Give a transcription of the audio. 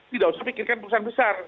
tidak usah pikirkan perusahaan besar